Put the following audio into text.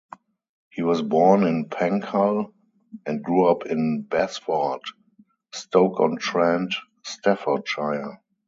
He was born in Penkhull, and grew up in Basford, Stoke-on-Trent, Staffordshire.